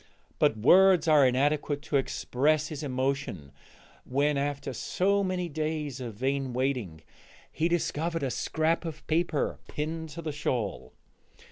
But words are inadequate to express his emotion when, after so many days of vain waiting, he discovered a scrap of paper pinned to the shawl.